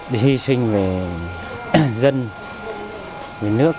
đi sinh về dân về nước